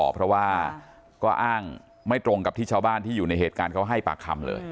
เพราะว่าก็อ้างไม่ตรงกับที่ชาวบ้านที่อยู่ในเหตุการณ์เขาให้ปากคำเลย